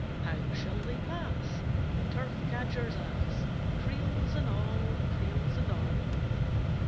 How shall they pass The Turf Cadger's Ass, Creels and all, creels and all?